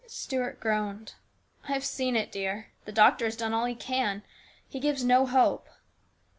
Stuart groaned. " I have seen it, dear ; the doctor has done all he can. He gives no hope."